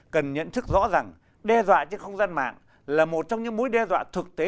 cần nhận thức rõ rằng đe dọa trên không gian mạng là một trong những mối đe dọa thực tế